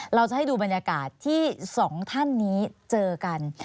เราจะให้ดูบรรยากาศที่สองท่านนี้เจอกัน